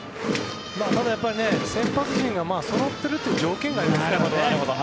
ただ、やっぱり先発陣がそろっているという条件がいいですからね。